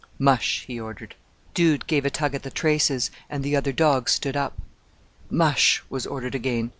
"Mush," he ordered. Dude gave a tug at the traces, and the other dogs stood up. "Mush," was ordered again.